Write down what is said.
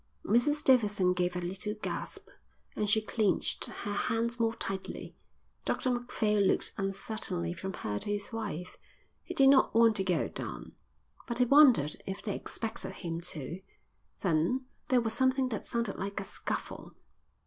Mrs Davidson gave a little gasp, and she clenched her hands more tightly. Dr Macphail looked uncertainly from her to his wife. He did not want to go down, but he wondered if they expected him to. Then there was something that sounded like a scuffle.